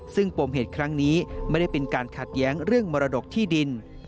ซึ่งปมเหตุครั้งนี้ไม่ได้เป็นการขัดแย้งเรื่องมรดกที่ดิน